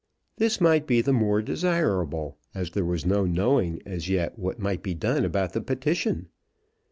This might be the more desirable, as there was no knowing as yet what might be done about the petition.